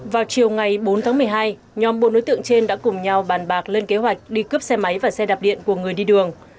vào chiều ngày bốn tháng một mươi hai nhóm bốn đối tượng trên đã cùng nhau bàn bạc lên kế hoạch đi cướp xe máy và xe đạp điện của người đi đường